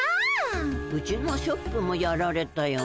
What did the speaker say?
うちのショップもやられたよ。